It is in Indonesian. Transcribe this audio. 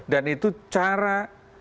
dan itu cara